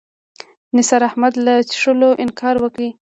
نثار احمدي له څښلو انکار وکړ.